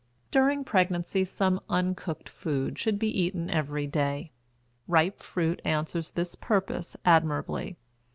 During pregnancy some uncooked food should be eaten every day. Ripe fruit answers the purpose admirably.